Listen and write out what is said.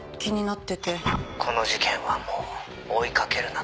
「“この事件はもう追いかけるな”と」